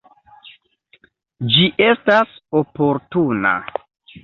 Ĝi estas oportuna.